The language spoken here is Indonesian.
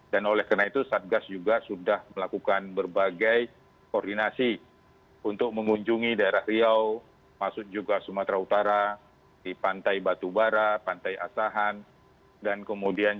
dan oleh karena itu satgas juga sudah melakukan berbagai koordinasi untuk mengunjungi daerah riau masuk juga sumatera utara di pantai batubara pantai asahan dan kemudian